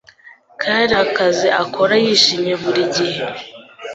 Kari akazi akora yishimye buri gihe